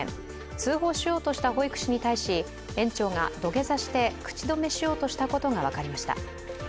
通報しようとした保育士に対し園長が、土下座して口止めしようとしたことが分かりました。